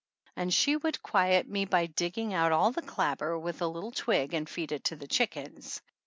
And she would quiet 94 THE ANNALS OF ANN me by digging out all the clabber with a little twig and feed it to the chickens.